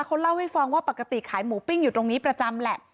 เขาเล่าให้ฟังว่าปกติขายหมูปิ้งอยู่ตรงนี้ประจำแหละ